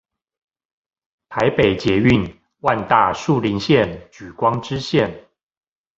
台北捷運萬大樹林線莒光支線